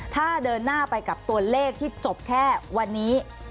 ถ้าเดินหน้าไปกับตัวเลขที่จบแค่วันนี้